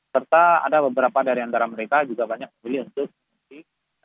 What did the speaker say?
serta ada beberapa dari antara mereka juga banyak memilih untuk mudik